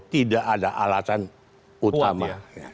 tidak ada alasan utama